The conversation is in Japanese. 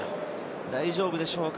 大丈夫でしょうか？